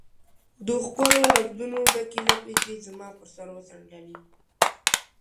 د ښکلو لفظونو ډکي لپې دي زما پر سر وڅنډلي